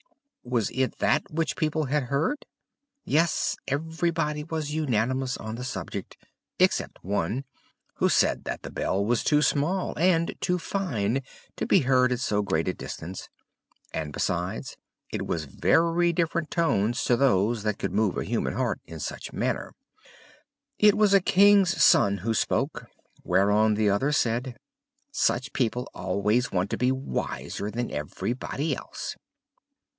Was it that which people had heard? Yes, everybody was unanimous on the subject, except one, who said that the bell was too small and too fine to be heard at so great a distance, and besides it was very different tones to those that could move a human heart in such a manner. It was a king's son who spoke; whereon the others said, "Such people always want to be wiser than everybody else."